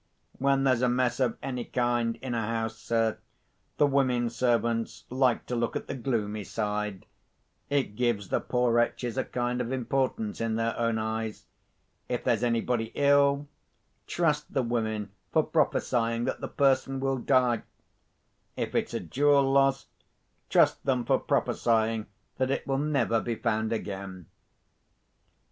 When there's a mess of any kind in a house, sir, the women servants like to look at the gloomy side—it gives the poor wretches a kind of importance in their own eyes. If there's anybody ill, trust the women for prophesying that the person will die. If it's a jewel lost, trust them for prophesying that it will never be found again."